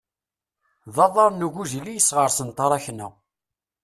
D aḍar n ugujil i yesɣersen taṛakna.